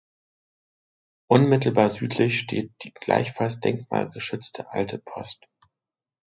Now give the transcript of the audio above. Unmittelbar südlich steht die gleichfalls denkmalgeschützte Alte Post.